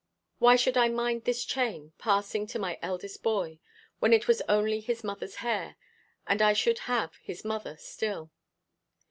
Why should I mind this chain passing to my eldest boy, when it was only his mother's hair, and I should have his mother still?